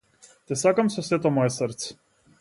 Те сакам со сето мое срце.